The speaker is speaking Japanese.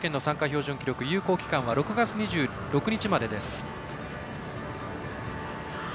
標準記録有効期間は６月２６日までです。